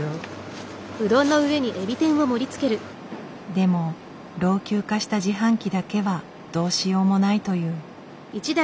でも老朽化した自販機だけはどうしようもないという。